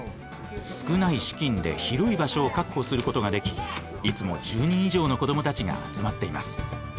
少ない資金で広い場所を確保することができいつも１０人以上の子どもたちが集まっています。